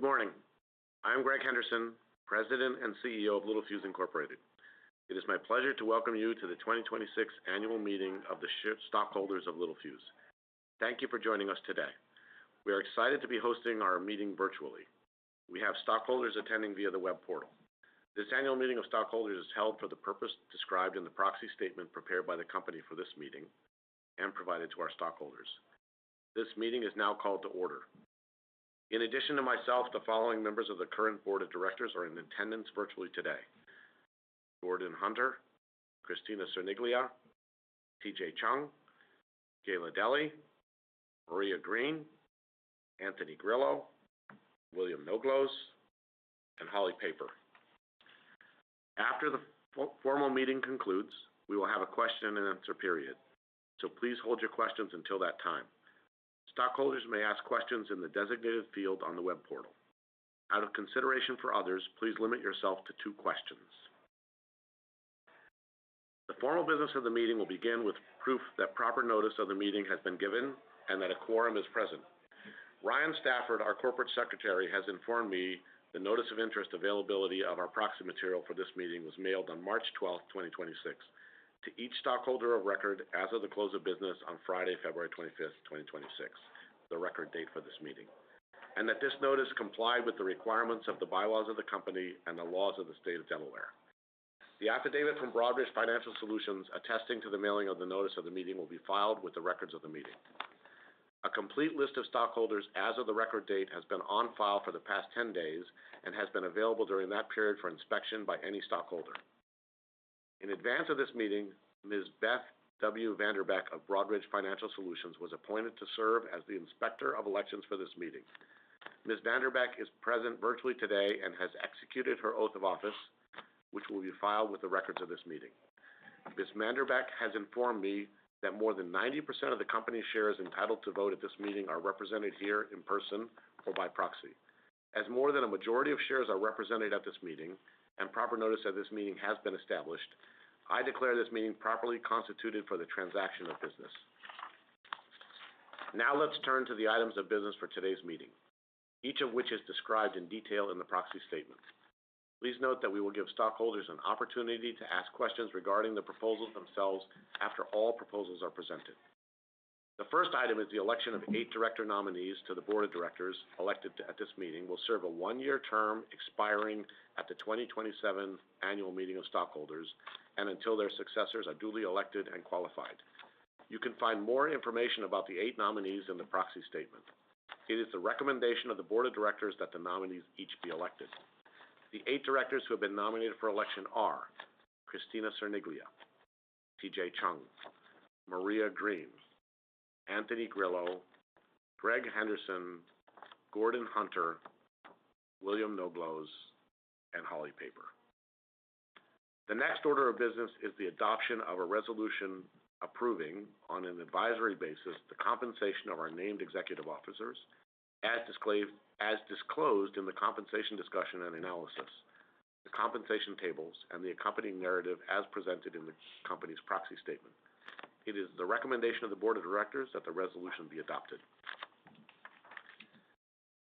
Good morning. I'm Greg Henderson, President and CEO of Littelfuse Incorporated. It is my pleasure to welcome you to the 2026 annual meeting of the stockholders of Littelfuse. Thank you for joining us today. We are excited to be hosting our meeting virtually. We have stockholders attending via the web portal. This annual meeting of stockholders is held for the purpose described in the proxy statement prepared by the company for this meeting, and provided to our stockholders. This meeting is now called to order. In addition to myself, the following members of the current board of directors are in attendance virtually today: Gordon Hunter, Kristina Cerniglia, TJ Chung, Gayla Delly, Maria Green, Anthony Grillo, William Noglows, and Holly Paeper. After the formal meeting concludes, we will have a question and answer period, so please hold your questions until that time. Stockholders may ask questions in the designated field on the web portal. Out of consideration for others, please limit yourself to two questions. The formal business of the meeting will begin with proof that proper notice of the meeting has been given and that a quorum is present. Ryan Stafford, our Corporate Secretary, has informed me the notice of internet availability of our proxy material for this meeting was mailed on March 12th, 2026, to each stockholder of record as of the close of business on Friday, February 25th, 2026, the record date for this meeting, and that this notice complied with the requirements of the bylaws of the company and the laws of the state of Delaware. The affidavit from Broadridge Financial Solutions attesting to the mailing of the notice of the meeting will be filed with the records of the meeting. A complete list of stockholders as of the record date has been on file for the past 10 days and has been available during that period for inspection by any stockholder. In advance of this meeting, Ms. Beth W. Vanderbeck of Broadridge Financial Solutions was appointed to serve as the Inspector of Elections for this meeting. Ms. Vanderbeck is present virtually today and has executed her oath of office, which will be filed with the records of this meeting. Ms. Vanderbeck has informed me that more than 90% of the company's shares entitled to vote at this meeting are represented here in person or by proxy. As more than a majority of shares are represented at this meeting, and proper notice of this meeting has been established, I declare this meeting properly constituted for the transaction of business. Now let's turn to the items of business for today's meeting, each of which is described in detail in the proxy statement. Please note that we will give stockholders an opportunity to ask questions regarding the proposals themselves after all proposals are presented. The first item is the election of eight director nominees to the board of directors, elected at this meeting, will serve a one-year term expiring at the 2027 annual meeting of stockholders, and until their successors are duly elected and qualified. You can find more information about the eight nominees in the proxy statement. It is the recommendation of the board of directors that the nominees each be elected. The eight directors who have been nominated for election are Kristina Cerniglia, TJ Chung, Maria Green, Anthony Grillo, Greg Henderson, Gordon Hunter, William Noglows, and Holly B. Paeper. The next order of business is the adoption of a resolution approving, on an advisory basis, the compensation of our named executive officers as disclosed in the compensation discussion and analysis, the compensation tables, and the accompanying narrative as presented in the company's proxy statement. It is the recommendation of the Board of Directors that the resolution be adopted.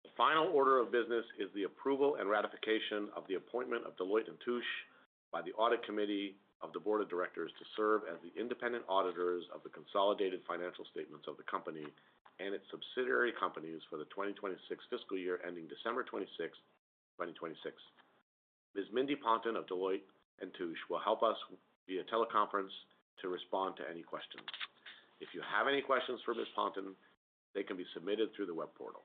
The final order of business is the approval and ratification of the appointment of Deloitte & Touche by the Audit Committee of the Board of Directors to serve as the independent auditors of the consolidated financial statements of the company and its subsidiary companies for the 2026 fiscal year ending December 26, 2026. Ms. Mindy Ponton of Deloitte & Touche will help us via teleconference to respond to any questions. If you have any questions for Ms. Ponton, they can be submitted through the web portal.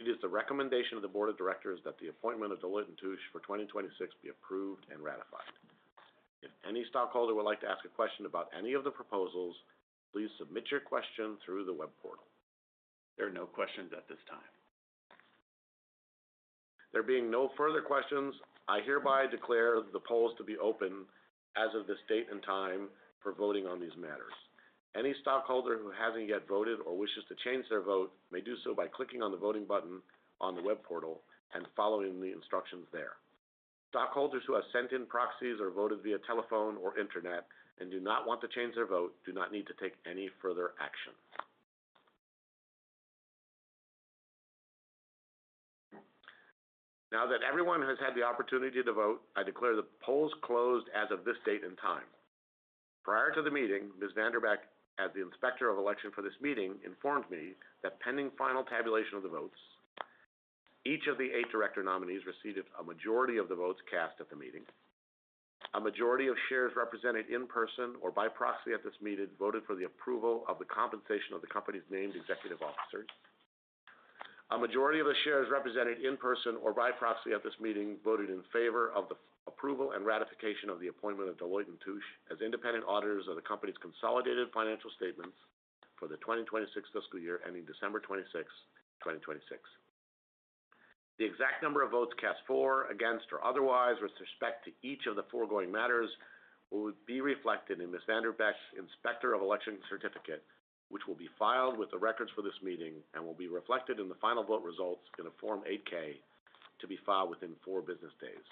It is the recommendation of the board of directors that the appointment of Deloitte & Touche for 2026 be approved and ratified. If any stockholder would like to ask a question about any of the proposals, please submit your question through the web portal. There are no questions at this time. There being no further questions, I hereby declare the polls to be open as of this date and time for voting on these matters. Any stockholder who hasn't yet voted or wishes to change their vote may do so by clicking on the voting button on the web portal and following the instructions there. Stockholders who have sent in proxies or voted via telephone or internet and do not want to change their vote do not need to take any further action. Now that everyone has had the opportunity to vote, I declare the polls closed as of this date and time. Prior to the meeting, Ms. Vanderbeck, as the Inspector of Election for this meeting, informed me that pending final tabulation of the votes, each of the eight director nominees received a majority of the votes cast at the meeting. A majority of shares represented in person or by proxy at this meeting voted for the approval of the compensation of the company's named executive officers. A majority of the shares represented in person or by proxy at this meeting voted in favor of the approval and ratification of the appointment of Deloitte & Touche as independent auditors of the company's consolidated financial statements for the 2026 fiscal year ending December 26, 2026. The exact number of votes cast for, against, or otherwise with respect to each of the foregoing matters will be reflected in Ms. Vanderbeck's Inspector of Elections certificate, which will be filed with the records for this meeting and will be reflected in the final vote results in a Form 8-K to be filed within four business days.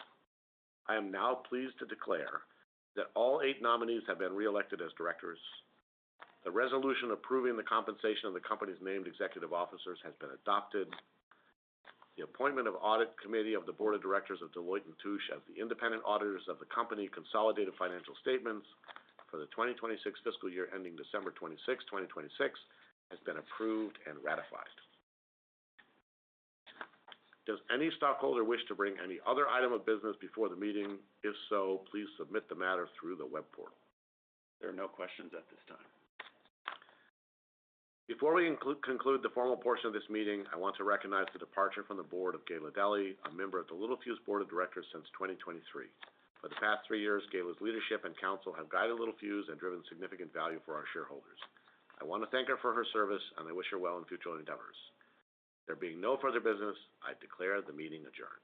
I am now pleased to declare that all eight nominees have been reelected as directors. The resolution approving the compensation of the company's named executive officers has been adopted. The appointment of Deloitte & Touche by the Audit Committee of the Board of Directors as the independent auditors of the company's consolidated financial statements for the 2026 fiscal year ending December 26, 2026, has been approved and ratified. Does any stockholder wish to bring any other item of business before the meeting? If so, please submit the matter through the web portal. There are no questions at this time. Before we conclude the formal portion of this meeting, I want to recognize the departure from the board of Gayla Delly, a member of the Littelfuse Board of Directors since 2023. For the past three years, Gayla Delly's leadership and counsel have guided Littelfuse and driven significant value for our shareholders. I want to thank her for her service, and I wish her well in future endeavors. There being no further business, I declare the meeting adjourned.